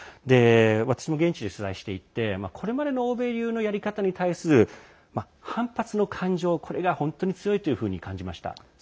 私も現地で取材していてこれまでの欧米流のやり方に対する反発の感情、これが本当に強いと感じました。